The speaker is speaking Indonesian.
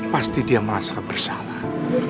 pasti dia merasa bersalah